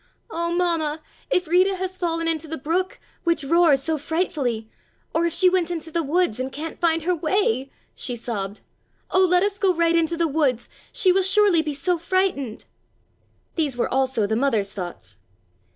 "Oh, Mamma, if Rita has fallen into the brook, which roars so frightfully, or if she went into the woods and can't find her way!" she sobbed. "Oh, let us go right into the woods. She will surely be so frightened!" These were also the mother's thoughts.